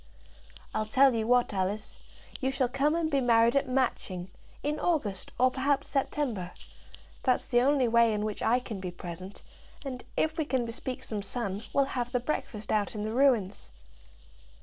"I'll tell you what, Alice; you shall come and be married at Matching, in August, or perhaps September. That's the only way in which I can be present; and if we can bespeak some sun, we'll have the breakfast out in the ruins."